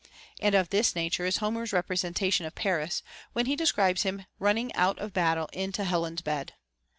And of this nature is Homer's representation of Paris, when he describes him running out of the battle into Helen's bed.